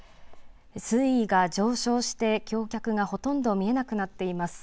水位が上昇して橋脚がほとんど見えなくなっています。